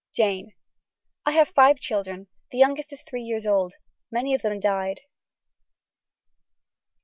(Jane.) I have five children the youngest is three years old. Many of them died.